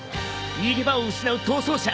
逃げ場を失う逃走者。